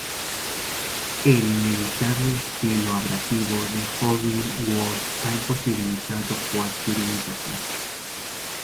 El inimitable estilo abrasivo de Howlin' Wolf ha imposibilitado cualquier imitación.